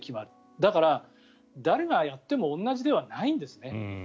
だから、誰がやっても同じではないんですね。